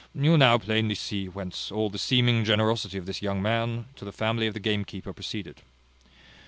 You now plainly see whence all the seeming generosity of this young man to the family of the gamekeeper proceeded.